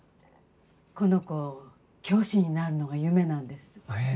この子教師になるのが夢なんです。